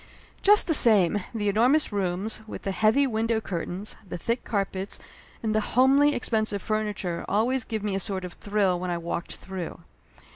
Just the same, the enormous rooms, with the heavy window curtains, the thick carpets and the homely, expensive furniture always give me a sort of thrill when I walked through.